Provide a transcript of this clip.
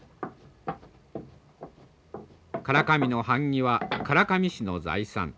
唐紙の版木は唐紙師の財産。